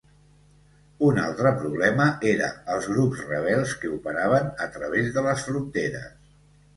Un altre problema era els grups rebels que operaven a través de les fronteres.